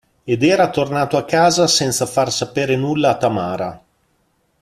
Ed era tornato a casa senza far sapere nulla a Tamara.